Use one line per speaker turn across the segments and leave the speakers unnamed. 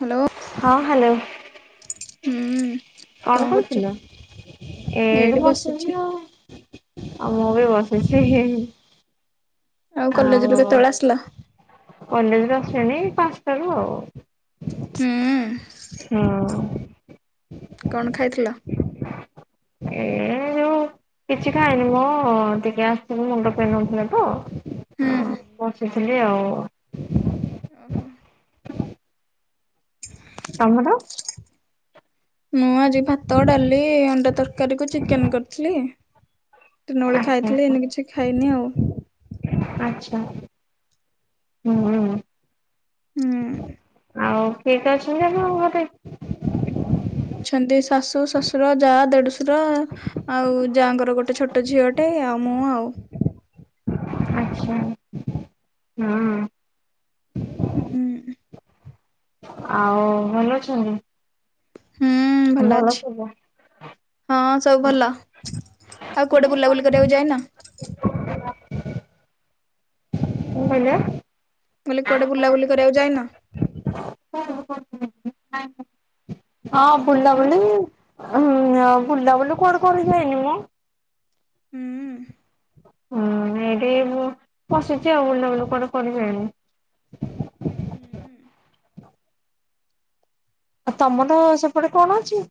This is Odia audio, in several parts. ହାଲୋ
ହଁ ହାଲୋ।
ହୁଁ
କଣ କରୁଥିଲ?
ଏଇଠି ବସିଛି।
ଆଉ ମୁଁ ବି ବସିଛି।
କଲେଜରୁ
ଆଉ
କେତେବେଳେ ଆସିଲ?
କଲେଜରୁ ଆସିଲେଣି ପାଞ୍ଚଟାରୁ ଆଉ।
ହୁଁ।
ହଁ।
କଣ ଖାଇଥିଲ?
ଏ ଯୋଉ କିଛି ଖାଇନି। ମୁଁ ଟିକେ ଆସିଥିଲି ମୁଣ୍ଡ ପେନ୍ ହଉଥିଲା ତ
ହୁଁ
ଆଉ ବସିଥିଲି ଆଉ।
ଓହୋ।
ତମର?
ମୁଁ ଆଜି ଭାତ, ଡାଲି, ଅଣ୍ଡା ତରକାରୀ କୁ ଚିକେନ କରିଥିଲି। ଦିନବେଳେ ଖାଇଥିଲି ଏଇନେ କିଛି ଖାଇନି ଆଉ।
ଆଛା। ହୁଁ।
ହୁଁ।
ଆଉ କିଏ କିଏ ଅଛନ୍ତି ଆପଣଙ୍କ ଘରେ?
ଅଛନ୍ତି ଶାଶୁ ଶଶୁର ଯା ଦେଢଶୁର ଆଉ ଯାଙ୍କର ଗୋଟେ ଛୋଟ ଝିଅ ଗୋଟେ ଆଉ ମୁଁ ଆଉ।
ଆଛା। ହୁଁ।
ହୁଁ ଉ।
ଆଉ ଭଲ ଅଛନ୍ତି?
ହୁଁ ଭଲ ଅଛି ହଁ ସବୁ ଭଲ। ଆଉ
କଣ
କୁଆଡେ ବୁଲାବୁଲି କରିଆକୁ ଯାଇନ?
କୋଉ ଭଳିଆ?
ମୁଁ କଲି କୁଆଡେ ବୁଲାବୁଲି କରିଆକୁ ଯାଇନ?
ହଁ ବୁଲା
କଣ?
ବୁଲି ହୁଁ ଆଉ ବୁଲାବୁଲି କୁଆଡୁ କରି ଯାଇନି ମ
ହୁଁ
ହୁଁ ଏଇଟି ମୁଁ ପଶିଛି ଆଉ ବୁଲା ବୁଲି କୁଆଡେ କରି ଯାଇନି।
ହୁଁ।
ଆ ତମ ତ ସେପଡେ କଣ ଅଛି?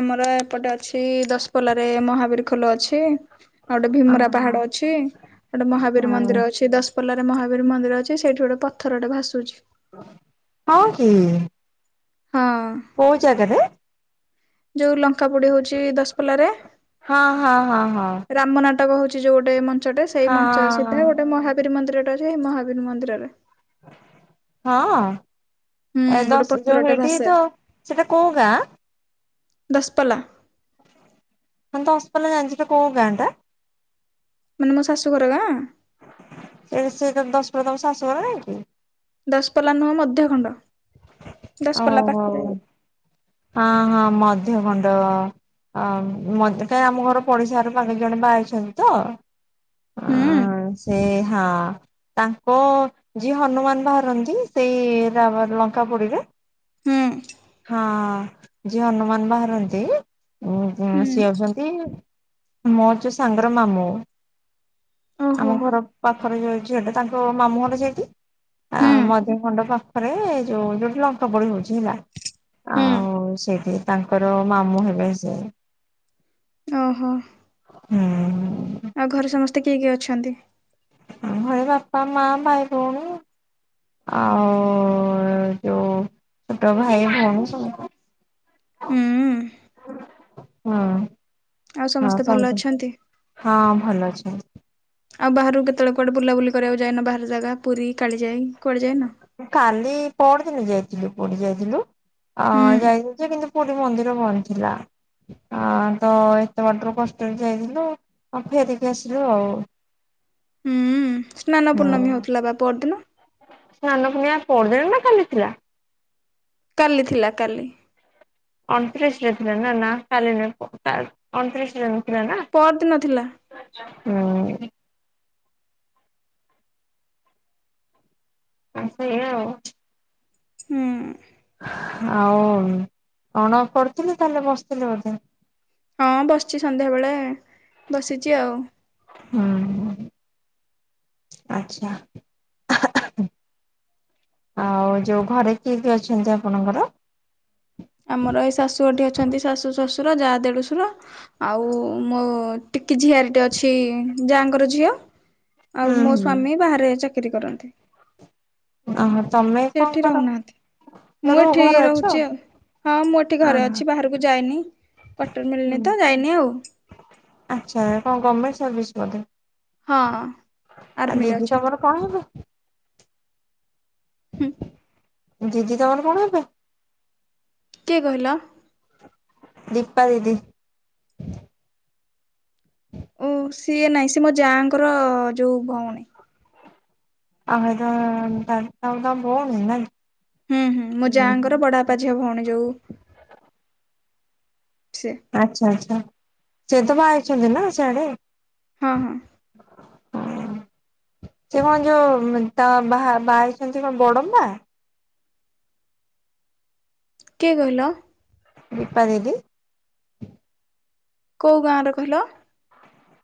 ଆମର ଏପଟେ ଅଛି ଦଶପଲାରେ ମହାବୀର ଖୋଲ ଅଛି। ଆଉ ଗୋଟେ ଭୀମରା ପାହାଡ ଅଛି ଆଉ ଗୋଟେ ମହାବୀର
ହଁ।
ମନ୍ଦିର ଅଛି ଦଶ୍ ପୋଲାରେ ମହାବୀର ମନ୍ଦିର ଅଛି ସେଇଠି ଗୋଟେ ପଥର ଟେ ଭାସୁଛି।
ଅ କି?
ହଁ।
କୋଉ ଜାଗାରେ?
ଯୋଉ ଲଙ୍କା ପୋଡି ହଉଛି ଦଶପଲାରେ
ହଁ ହଁ ହଁ
ରାମ ନାଟକ ହଉଛି ଯୋଉ ଗୋଟେ ମଞ୍ଚଟେ ସେଇ
ହଁ
ମଞ୍ଚ
ହଁ।
ସିଧା ଗୋଟେ ମହା ବୀର ମନ୍ଦିର ଟେ ଅଛି ହେ ମହାବୀର ମନ୍ଦିରରେ।
ହଁ?
ହୁଁ
ଏ
ଗୋଟେ
ଦଶ ଯୋଉ
ପଥରଟେ
ହେଇ ଟି
ଭାସେ
ଜୋ ସେଟା କୋଉ ଗାଁ?
ଦଶପଲା।
ହଁ ଦଶପଲା ଜାଣିଛି ସେଇଟା କୋଉ ଗାଁ ଟା?
ମାନେ ମୋ ଶାଶୁ ଘର ଗାଁ?
ଏରେ ସେ ତ ଦଶପଲା ତାଙ୍କ ଶାଶୁଘର ନାଇଁ କି?
ଦଶପଲା ନୁହଁ ମଧ୍ୟ ଖଣ୍ଡ ଦଶପଲା ପାଖରେ
ଓହୋ।
ଆଉ।
ହଁ ହଁ ମଧ୍ୟଖଣ୍ଡ। ଆ ମଧ୍ କାଇଁ ଆମ ଘର ପଡିଶା ଘର ପାଖରେ ଜଣେ ବାହା ହେଇଛନ୍ତି ତ।
ହୁଁ
ଆଁ ସେ ହା ତାଙ୍କ୍ କ ଯିଏ ହନୁମାନ ବାହାରନ୍ତି ସେଇ ର ର ଲଙ୍କା ପୋଡିରେ
ହୁଁ।
ହଁ ଯିଏ ହନୁମାନ ବାହାରନ୍ତି ଉଁ ଉଁ
ହୁଁ
ସିଏ ହଉଛନ୍ତି ମର ଯେ ସାଙ୍ଗର ମାମୁଁ
ଓହୋ
ଆମ ଘର ପାଖରେ ଯୋଉ ଝିଅଟେ ତାଙ୍କ ମାମୁଁ ଘର ସେଇଠି। ଆ
ହୁଁ
ମଝି ଖଣ୍ଡ ପାଖରେ ଯୋଉ ଯୋଉଠି ଲଙ୍କାପୋଡି ହଉଛି ହେଲା।
ହୁଁ
ଆଉ ସେଇଠି ତାଙ୍କର ମାମୁଁ ହେବେ ସେ।
ଅ ହ।
ହୁଁ।
ଆଉ ଘରେ ସମସ୍ତେ କିଏ କିଏ ଅଛନ୍ତି?
ଆଁ ଘରେ ବାପା ମା ଭାଇ ଭଉଣୀ। ଆଉ ଯୋଉ ଛୋଟ ଭାଇ ଭଉଣୀ ସମତେ। ହଁ।
ହୁଁ ଆଉ
ହଁ
ସମସ୍ତେ ଭଲ
ସମତେ
ଅଛନ୍ତି।
ହଁ ଭଲ ଅଛନ୍ତି।
ଆଉ ବାହରୁକୁ କେତବେଳେ କୁଆଡ଼େ ବୁଲାବୁଲି କରିବାକୁ ଯାଇନ ବାହାର ଜାଗା ପୁରୀ କାଳିଯାଇ କୁଆଡ଼େ ଯାଇନ?
ଉଁ କାଲି ପର୍ଦିନ ଯାଇଥିଲୁ ପୁରୀ ଯାଇଥିଲୁ ଆଁ
ହୁଁ
ଯାଇଥିଲୁ ଯେ କିନ୍ତୁ ପୁରୀ ମନ୍ଦିର ବନ୍ଦ ଥିଲା। ଆଁ ତ ଏତେ ବାଟରୁ କଷ୍ଟରେ ଯାଇଥିଲୁ ଆ ଫେରିକି ଆସିଲୁ ଆଉ।
ହୁଁ ସ୍ନାନ
ହୁଁ।
ପୂର୍ଣ୍ଣମୀ ହଉଥିଲା ବା ପରଦିନ।
ସ୍ନାନ ପୁର୍ଣିମା ପରଦିନ ନା କାଲି ଥିଲା।
କାଲି ଥିଲା କାଲି।
ଅଣତିରିଶ ରେ ଥିଲା ନା? ନା କାଲି [inaudible] ଅଣତିରିଶ ରେ ନଥିଲା ନା?
ପରଦିନ ଥିଲା।
[inaudible] ହୁଁ। [inaudible] ସେଇଆ ଆଉ।
ହୁଁ।
ଆଉ ଅଣ କରୁଥିଲେ। ତାହେଲେ, ବସିଥିଲେ ବୋଧେ।
ହଁ ବସିଛି ସନ୍ଧ୍ୟାବେଳେ, ବସିଛି ଆଉ।
ହୁଁ। ଆଚ୍ଛା। ଆଉ ଯୋଉ ଘରେ କିଏ କିଏ ଅଛନ୍ତି ଆପଣଙ୍କର?
ଆମର ଏଇ ଶାଶୁ ଘର ଠି ଅଛନ୍ତି ଶାଶୁ, ଶ୍ୱଶୁର, ଯା, ଦେଢଶୁର ଆଉ ମୋ ଟିକି ଝିଆରି ଟେ ଅଛି ଯା'ଙ୍କର ଝିଅ। ଆଉ
ହୁଁ
ମୋ
ହୁଁ।
ସ୍ଵାମୀ ବାହାରେ ଚାକିରୀ କରନ୍ତି।
ଓହୋ ତମେ
ସିଏ
କଣ
ଏଠି
କର
ରହୁନାହାନ୍ତି। ମୁଁ
ଘରୁ
ଏଠି
ଘରେ ଅଛ
ରହୁଛି ଆଉ। ହଁ, ମୁଁ ଏଠି
ଅହ
ଘରେ ଅଛି ବାହାରକୁ ଯାଇନି। କ୍ଵାଟର
ହୁଁ।
ମିଳିନି ତ ଯାଇନି ଆଉ।
ଆଚ୍ଛା। କ'ଣ ଗମେଣ୍ଟ ସର୍ଭିସ ବୋଧେ?
ହଁ,
ଆ
ଆର୍ମିରେ
ଦିଦି
ଅଛନ୍ତି।
ତମର କଣ [inaudible]
ହୁଁ।
ଦିଦି ତମର କ'ଣ ହେବେ?
କିଏ କହିଲ?
ଦୀପା ଦିଦି।
ଉଁ ସିଏ ନାଇଁ। ସିଏ ମୋ ଯା'ଙ୍କର ଯୋଉ ଭଉଣୀ।
ଆମେ ତ ତା ତା ତାଙ୍କ ଭଉଣୀ।
ହୁଁ, ହୁଁ ମୋ ଯା'ଙ୍କର ବଡବାପା ଝିଅ ଭଉଣୀ ଯୋଉ ସେ।
ଆଚ୍ଛା, ଆଚ୍ଛା ସିଏ ତ ବାହା ହେଇଛନ୍ତି ନା ସିଆଡେ।
ହଁ ହଁ।
ସିଏ କ'ଣ ଯୋଉ ତ ବା ବାହା ହେଇଛନ୍ତି କ'ଣ ବଡମ୍ବା?
କିଏ କହିଲ?
ଦୀପା ଦିଦି।
କୋଉ ଗାଁର କହିଲ?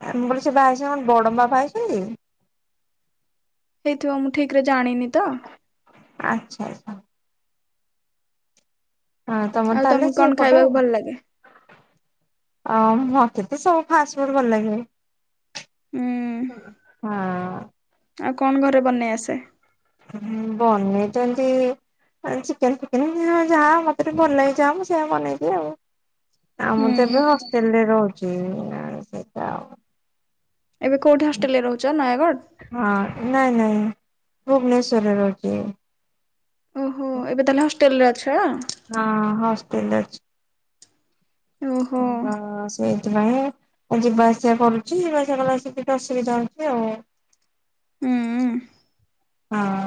ମୁଁ କହିଲି ସେ ବାହା ହେଇଛନ୍ତି କ'ଣ ବଡମ୍ବା ବାହା ହେଇଛନ୍ତି?
ହେଇଥିବ ମୁଁ ଠିକ ରେ ଜାଣିନି ତ।
ଆଚ୍ଛା, ଆଚ୍ଛା। ହଁ ତମର
ଆଉ
ତାହେଲେ,
ତମକୁ କଣ
ସେଇ ପଟେ।
ଖାଇବାକୁ ଭଲ ଲାଗେ?
ଅଁ ହଁ ମତେ ତ ସବୁ ଫାଷ୍ଟଫୁଡ ଭଲ ଲାଗେ।
ହୁଁ
ହଁ।
ଆଉ କଣ ଘରେ ବନେଇ ଆସେ?
ହୁଁ ବନେଇ ତ ଏନ୍ତି ଚିକେନ ଫିକେନ ଯାହା ମତେ ଟିକେ ଭଲ ଲାଗେ ଯାହା ମୁଁ ସେଇୟା ବନେଇଦିଏ ଆଉ। ଆ ମୁଁ
ହୁଁ
ତ ଏବେ ହଷ୍ଟେଲରେ ରହୁଛି ସେଇଟା ଆଉ।
ଏବେ କୋଉଠି ହଷ୍ଟେଲରେ ରହୁଛ ନୟାଗଡ଼?
ହଁ ନାଇଁ ନାଇଁ ଭୁବନେଶ୍ୱରରେ ରହୁଛି ମୁଁ।
ଓହୋ ଏବେ ତାହେଲେ ହଷ୍ଟେଲରେ ଅଛ?
ହଁ ହଷ୍ଟେଲରେ ଅଛି।
ଓହୋ
[unintelligible] ସେଇଥିପାଇଁ ଯିବା ଆସିବା କରୁଛି ଯିବା ଆସିବା କଲାବେଳେ ଟିକେ ଅସୁବିଧା ହଉଛି ଆଉ।
ହୁଁ ଉଁ।
ହଁ।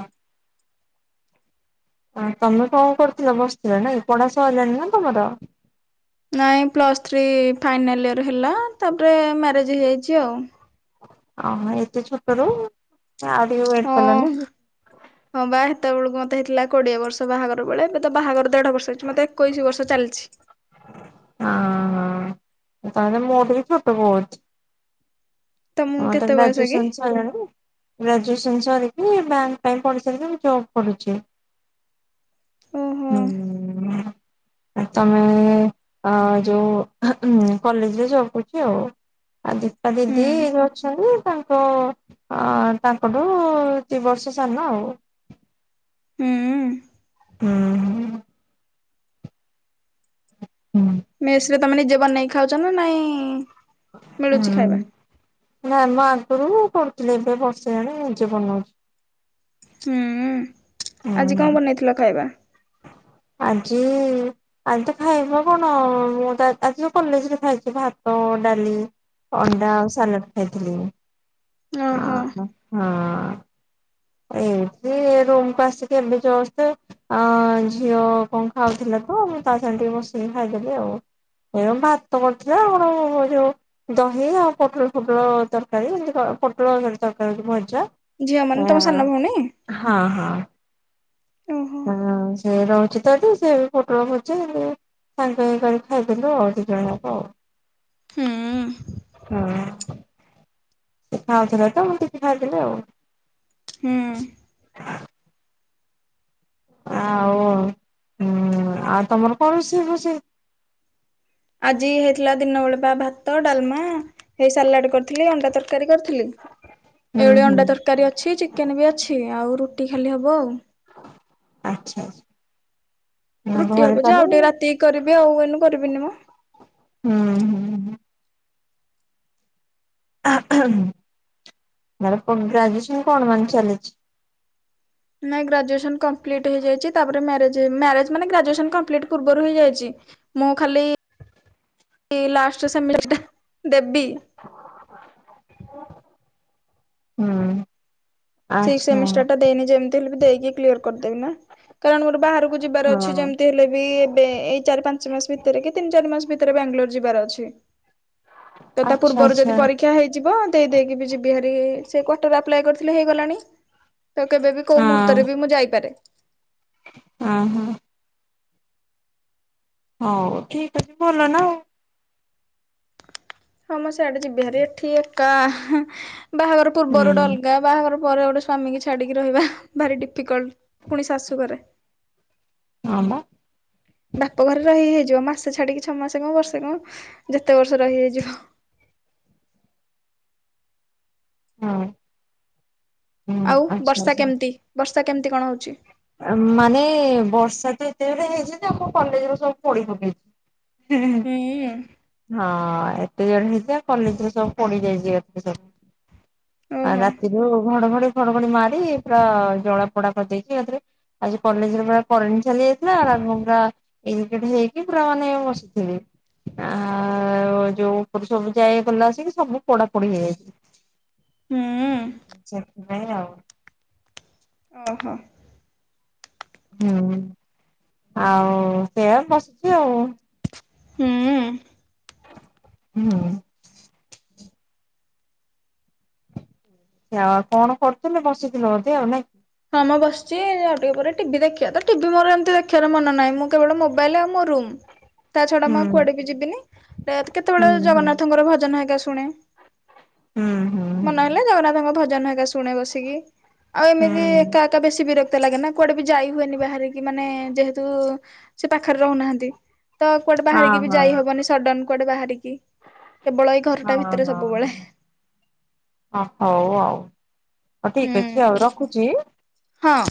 ତମେ କଣ କରୁଥିଲ ବସିଥିଲ ନାଇ ପଢା ସଇଲାଣି ନା ତମର?
ନାଇଁ ପ୍ଲସ୍ ଥ୍ରୀ ଫାଇନାଲ୍ ଇୟର ହେଲା ତାପରେ ମ୍ୟାରେଜ ହେଇଯାଇଛି ଆଉ।
ଅ ଏତେ ଛୋଟରୁ କାଇ ଆଉ ଟିକେ
ହଁ
ୱେଟ କଲନି?
ହଁ ବା ହେତେବେଳକୁ ମତେ ହେଇଥିଲା କୋଡିଏ ବର୍ଷ ବାହାଘର ବେଳେ ଏବେ ତ ବାହାଘର ଦେଢ ବର୍ଷ ହେଇଛି ମତେ ଏକୋଇଶି ବର୍ଷ ଚାଲିଛି।
ହଁ ହଁ ତାହେଲେ ମୋଠୁ ବି ଛୋଟ ବହୁତ।
ତମକୁ
ମୋର ତ
କେତେ ବୟସ କି?
ଗ୍ରାଜୁଏସନ ସଇଲାନି। ଗ୍ରାଜୁଏସନ ସରିକି ବ୍ୟାଙ୍କ ପାଇଁ ପଢ଼ି ସାରିକି ମୁ ଜବ୍ କରୁଛି।
ଓହୋ
ହୁଁ। ତମେ ଅ ଯୋଉ କଲେଜରେ ଜବ କରୁଛି ଆଉ। ଆଉ ଦୀପା
ହୁଁ
ଦିଦି ଅଛନ୍ତି ତାଙ୍କ ଅ ତାଙ୍କଠୁ ଦି ବର୍ଷ ସାନ ଆଉ।
ହୁଁ।
ହୁଁ। ହୁଁ।
ମେସରେ ତମେ ନିଜେ ବନେଇ କି ଖାଉଛ ନା ନାଇଁ
ହୁଁ
ମିଳୁଛି ଖାଇବା?
ନାଇ ମ ଆଗରୁ କରୁଥିଲି ଏବେ ବର୍ଷେ ହେଲାଣି ନିଜେ ବନଉଛି।
ହୁଁ ଆଜି
ହୁଁ
କଣ ବନେଇଥିଲ ଖାଇବା?
ଆଜି ଆଜି ତ ଖାଇ କଣ ମୁଁ ଆଜି ତ କଲେଜରେ ଖାଇଛି ଭାତ ଡାଲି ଅଣ୍ଡା ଆଉ ସାଲାଟ ଖାଇଥିଲି
ଓହୋ
ହଁ ହଁ। ଏଇଠି ରୁମକୁ ଆସିକି ଏବେ ଜଷ୍ଟ ଅ ଝିଅ କଣ ଖାଉଥିଲା ତ ମୁଁ ତା ସାଙ୍ଗରେ ବସିକି ଖାଇଦେଲି ଆଉ। ଏ ଭାତ କରିଥିଲା ଆଉ କଣ ଯୋଉ ଦହି ଆଉ ପୋଟଳ ଫୋଟଳ ତରକାରୀ ଯେମତି ପୋଟଳତି ତରକାରୀ ଭଜା
ଝିଅମ ମାନେ ତମ ସାନ ଭଉଣୀ?
ହଁ ହଁ।
ଓହୋ।
ହଁ ସେ ରହୁଛି ତ ଏଠି ସେ ପୋଟଳ ଭଜା ସାଙ୍ଗ ହେଇ କରି ଖାଇଦେଲୁ ଆଉ ଦି ଜଣ ଯାକ।
ହୁଁ।
ହଁ ଖାଉଥିଲା ତ ମୁଁ କିଛି ଖାଇଥିଲେ ଆଉ।
ହୁଁ।
ଆଉ ହଁ ଆଉ ତମର କଣ ରୋଷେଇ ଫୋସେଇ?
ଆଜି ହେଇଥିଲା ଦିନ ବେଳେ ବା ଭାତ ଡାଲମା ସେଇ ସାଲାଟ କରିଥିଲି ଅଣ୍ଡା ତରକାରୀ କରିଥିଲି।
ହୁଁ
ଏଇଭଳି
ହୁଁ
ଅଣ୍ଡା ତରକାରୀ ଅଛି ଚିକେନ ବି ଅଛି ଆଉ ରୁଟି ଖାଲି ହବ ଆଉ।
ଆଚ୍ଛା। ଆଚ୍ଛା
ରୁଟି
ଘରେ
ହବ ଯେ
ତାହେଲେ
ଆଉ ଟିକେ ରାତି କରିବି ଆଉ ଏନୁ କରିବିନି ମ।
ହୁଁ ହୁଁଁ। [unintelligible] ଗ୍ରାଜୁଏସନ୍ କଣ ମାନେ ଚାଲିଛି।
ନାଇଁ ଗ୍ରାଜୁଏସନ୍ କମ୍ପ୍ଲିଟ ହେଇଯାଇଛି ତାପରେ ମ୍ୟାରେଜ୍ ମ୍ୟାରେଜ୍ ମାନେ ଗ୍ରାଜୁଏସନ୍ କମ୍ପ୍ଲିଟ ପୂର୍ବରୁ ହେଇଯାଇଛି। ମୁଁ ଖାଲି ଲାଷ୍ଟ୍ ସେମିଷ୍ଟାର ଦେବି
ହୁଁ।
ସେଇ
ଆଚ୍ଛା।
ସେମିଷ୍ଟାର ଟା ଦେଇନି ଯେମିତି ହେଲେ ଦେଇକି କଲିୟର କରିଦେବି ନା କାରଣ ମୋର ବାହାର କୁ ଯିବାର
ହଁ।
ଅଛି ଯେମିତି ହେଲେ ବି ଏବେ ଏଇ ଚାରି ପାଞ୍ଚ ମାସ ଭିତରେ କି ତିନି ଚାରି ମାସ ଭିତରେ ବାଙ୍ଗାଲୋର ଯିବାର ଅଛି। ତ ତା
ଆଚ୍ଛା
ପୂର୍ବରୁ ଯଦି
ଆଚ୍ଛା
ପରୀକ୍ଷା ହେଇଯିବ ଦେଇ ଦେଇକି ବି ଯିବି ହାରି ସେ କ୍ଵାଟର ଆପ୍ଲାଏ କରିଥିଲେ ହେ ଗଲାଣି ତ କେବେ ବି କୋଉ ମୁହୂର୍ତ୍ତରେ ବି ମୁଁ ଯାଇପାରେ।
ଅ ହଁ। ହଉ ଠିକ୍ ଅଛି ଭଲ ନା ଆଉ।
ହଁ ମୁଁ ସେଆଡେ ଯିବି ଭାରି ଏଠି ଏକା ବାହାଘର
ହୁଁ
ପୂର୍ବରୁ ଅଲଗା ବାହାଘର ପରେ ଗୋଟେ ସ୍ଵାମୀ କି ଛାଡିକି ରହିବା ଭାରି ଡିଫିକଲ୍ଟ ପୁଣି ଶାଶୁଘରେ।
ହଁ ବା।
ବାପ ଘରେ ରହି ହେଇଯିବ ମାସେ ଛାଡିକି ଛଅ ମାସ କଣ ବର୍ଷେ କଣ ଯେତେ ବର୍ଷ ରହି ହେଇଯିବ।
ହଁ। ହୁଁ
ଆଉ
ଆଚ୍ଛା
ବର୍ଷା
ଆଚ୍ଛା।
କେମିତି ବର୍ଷା କେମିତି କଣ ହଉଛି?
ମାନେ ବର୍ଷା ତ ଏତେ ଯୋର ରେ ହେଇଚି ଯେ ଆମ‌ କଲେଜ ରୁ ସବୁ ପୋଡି ପକେଇଛି। ହୁଁ ହଁ। [unintelligible] କଲେଜ ରେ ସବୁ ପୋଡିଯାଇଛି ସବୁ ଆଉ
ଓହୋ
ରାତି ଯୋଉ ଘଡ଼ଘଡ଼ି ଫଡଘଡି ମାରି ପୁରା ଜଳା ପୋଡା କରିଦେଇଚି ଏକାଥରେ ଆଜି କଲେଜରେ ପୁରା କରେଣ୍ଟ୍ ଚାଲି ଯାଇଥିଲା [unintelligible] [unintelligible] ହେଇକି ପୁର ମାନେ ବସିଥିଲି। ଆଉ ଯୋଉ ଉପରେ ସବୁ ଯାଇ ଗଲା ଆସିକି ସବୁ ପୋଡାପୋଡି ହେଇଯାଇଛି।
ହୁଁ।
ସେଥିପାଇଁ ଆଉ।
ଓହୋ।
ହୁଁ ଆଉ ସେଇଆ ବସିଛି ଆଉ।
ହୁଁ।
ହୁଁ। ଆଉ କଣ କରୁଥିଲେ ବସିଥିଲେ ବୋଧେ ଆଉ ନାଇଁ?
ହଁ ମ ବସିଛି ଆଉ ଟିକେ ପରେ ଟିଭି ଦେଖିବା ତ ଟିଭି ମୋର ଏମିତି ଦେଖିବା ମନ ନାହିଁ ମୁଁ କେବଳ ମୋବାଇଲ ଆଉ ମୋ ରୁମ୍
ହ
ତା ଛଡା ମୁଁ କୁଆଡେ ବି ଯିବିନି
ହୁଁ
କେତେବେଳେ
ହୁଁ
ଜଗନ୍ନାଥଙ୍କର ଭଜନ ହେଇଗା ଶୁଣେ।
ହୁଁ
ମନହଲେ ଜଗନ୍ନାଥଙ୍କ ଭଜନ ହେରିକା ଶୁଣେ ବସିକି ଆଉ
ହୁଁ
ଏମିତି ଏକା ଏକା ବେଶୀ ବିରକ୍ତ ଲାଗେ ନା କୁଆଡେ ବି ଯାଇ ହୁଏନି ବାହାରିକି ମାନେ ଯେହେତୁ ସେ ପାଖରେ ରହୁନାହାନ୍ତି। ତ କୁଆଡେ
ହଁ
ବାହାରିକି ବି
ହଁ
ଯାଇ ହବନି ସଡନ୍ କୁଆଡେ ବାହାରିକି କେବଳ ଏଇ ଘରଟା ଭିତରେ ସବୁବେଳେ
ଅ ହଉ ଆଉ ଆଉ
ହୁଁ
ଠିକ୍ ଅଛି ରଖୁଛି?
ହଁ।